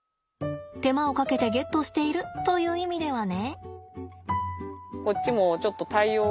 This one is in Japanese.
手間をかけてゲットしているという意味ではね。